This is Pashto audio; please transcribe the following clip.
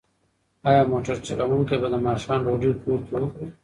ایا موټر چلونکی به د ماښام ډوډۍ کور کې وخوري؟